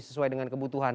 sesuai dengan kebutuhan